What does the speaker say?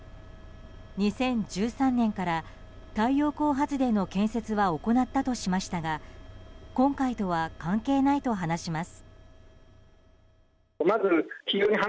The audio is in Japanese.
２０１３年から太陽光発電の建設は行ったとしましたが今回とは関係ないと話します。